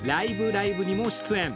ライブ！」にも出演。